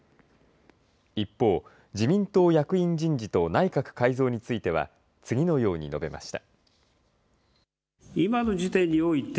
一方、自民党役員人事と内閣改造については次のように述べました。